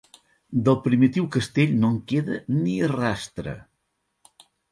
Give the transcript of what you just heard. Del primitiu castell no en queda ni rastre.